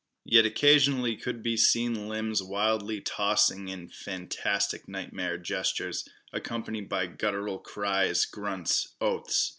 Yet occasionally could be seen limbs wildly tossing in fantastic nightmare gestures, accompanied by guttural cries, grunts, oaths.